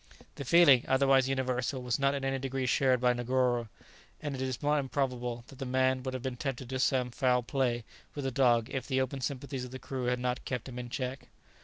The feeling, otherwise universal, was not in any degree shared by Negoro, and it is not improbable that the man would have been tempted to some foul play with the dog if the open sympathies of the crew had not kept him in check.